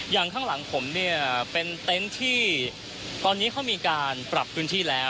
ข้างหลังผมเนี่ยเป็นเต็นต์ที่ตอนนี้เขามีการปรับพื้นที่แล้ว